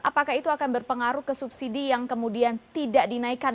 apakah itu akan berpengaruh ke subsidi yang kemudian tidak dinaikkan